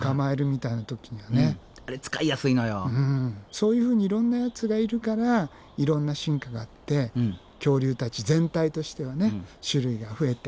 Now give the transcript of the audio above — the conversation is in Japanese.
そういうふうにいろんなやつがいるからいろんな進化があって恐竜たち全体としては種類が増えてどんどん繁栄していくっていうね